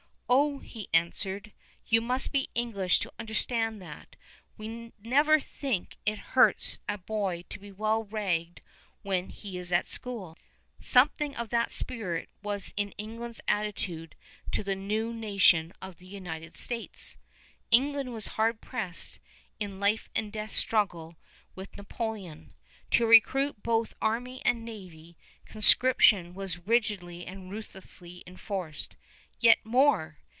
"Oh," he answered, "you must be English to understand that. We never think it hurts a boy to be well ragged when he 's at school." Something of that spirit was in England's attitude to the new nation of the United States. England was hard pressed in life and death struggle with Napoleon. To recruit both army and navy, conscription was rigidly and ruthlessly enforced. Yet more!